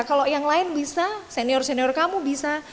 kalau yang lain bisa senior senior kamu bisa